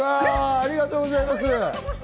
ありがとうございます。